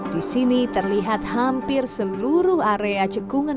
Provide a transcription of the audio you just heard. di sini terlihat hampir seluruh area cekungan